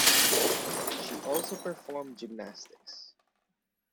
She also performed gymnastics.